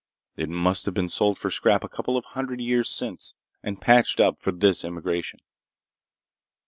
It must have been sold for scrap a couple of hundred years since, and patched up for this emigration.